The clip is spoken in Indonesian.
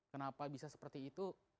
kenapa bisa seperti itu